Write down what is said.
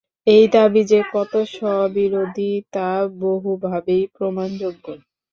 এই দাবি যে কত স্ববিরোধী, তা বহুভাবেই প্রমাণযোগ্য।